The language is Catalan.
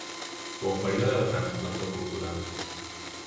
Fou un període de gran esplendor cultural.